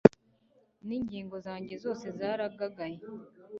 n'ingingo zanjye zose zaragagaye